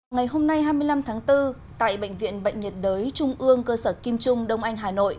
ngày hôm nay hai mươi năm tháng bốn tại bệnh viện bệnh nhiệt đới trung ương cơ sở kim trung đông anh hà nội